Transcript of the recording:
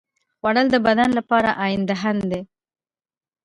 خوړل د بدن لپاره ایندھن دی